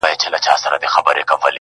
چي خاوند به یې روان مخ پر کوټې سو-